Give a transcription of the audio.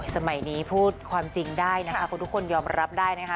สมัยนี้พูดความจริงได้นะคะคนทุกคนยอมรับได้นะคะ